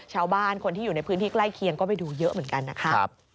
ชาวบ้านคนที่อยู่ในพื้นที่ใกล้เคียงก็ไปดูเยอะเหมือนกันนะคะ